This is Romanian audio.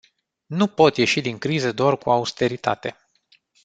Nu pot ieși din criză doar cu austeritate.